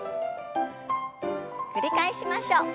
繰り返しましょう。